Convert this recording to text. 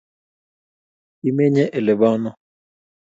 Imenye olebo ano?